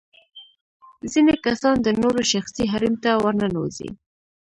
ځينې کسان د نورو شخصي حريم ته ورننوزي.